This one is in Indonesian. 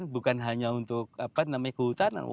bukan hanya untuk apa namanya kehutanan